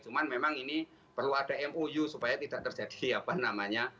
cuman memang ini perlu ada mou supaya tidak terjadi apa namanya